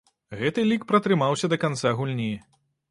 Гэты лік пратрымаўся да канца гульні.